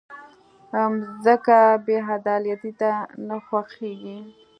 مځکه بېعدالتۍ ته نه خوښېږي.